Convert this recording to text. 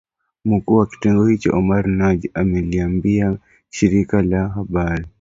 Mkuu wa kitengo hicho Omar Naji ameliambia shirika la habari